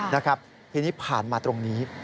นะครับทีนี้ผ่านมาตรงนี้